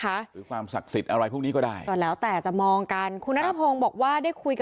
เค้าอยู่ด้วยนะคะความศักดิ์สิทธิ์อะไรพวกนี้ก็ได้แต่จะมองกันคุณหน้าพงบอกว่าได้คุย